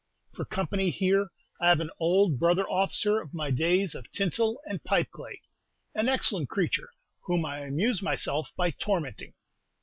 For company here I have an old brother officer of my days of tinsel and pipe clay, an excellent creature, whom I amuse myself by tormenting.